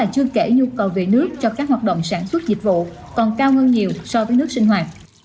chưa kể nhu cầu về nước cho các hoạt động sản xuất dịch vụ còn cao hơn nhiều so với nước sinh hoạt